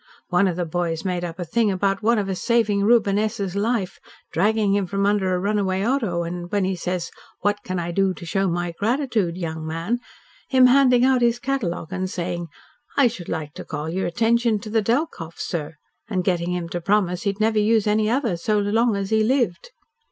One of the boys made up a thing about one of us saving Reuben S.'s life dragging him from under a runaway auto and, when he says, 'What can I do to show my gratitude, young man?' him handing out his catalogue and saying, 'I should like to call your attention to the Delkoff, sir,' and getting him to promise he'd never use any other, as long as he lived!"